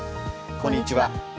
こんにちは。